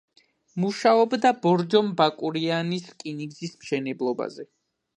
მუშაობდა ბორჯომ-ბაკურიანის რკინიგზის მშენებლობაზე.